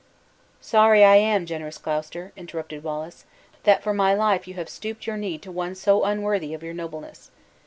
"Sorry am I, generous Gloucester," interrupted Wallace, "that for my life, you have stooped your knee to one so unworthy of your nobleness.